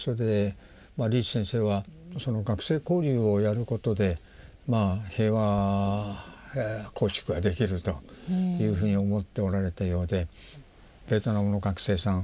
リーチ先生はその学生交流をやることで平和構築ができるというふうに思っておられたようでベトナムの学生さん